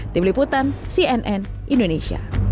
tim liputan cnn indonesia